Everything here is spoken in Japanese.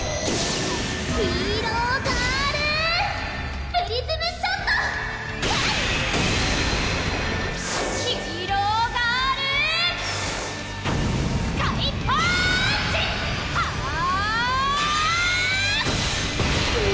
ヒロガルプリズムショット‼ヒロガルスカイパーンチ‼ハァーッ！